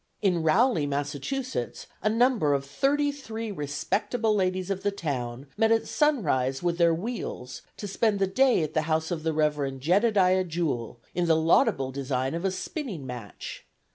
In Rowley, Massachusetts, "A number of thirty three respectable ladies of the town met at sunrise with their wheels to spend the day at the house of the Rev'd Jedidiah Jewell, in the laudable design of a spinning match.